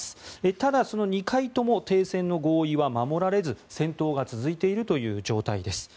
ただ、その２回とも停戦の合意は守られず戦闘が続いているという状態です。